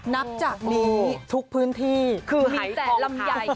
นับจากนี้ทุกพื้นที่มีแสนลำยาย